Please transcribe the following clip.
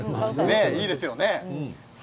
いいですよね。